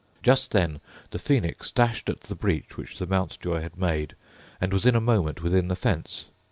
Just then the Phoenix dashed at the breach which the Mountjoy had made, and was in a moment within the fence.